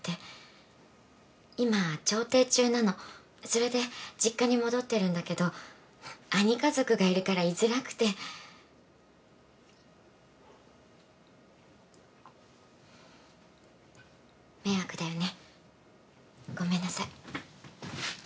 それで実家に戻ってるんだけど兄家族がいるから居づらくて。迷惑だよね。ごめんなさい。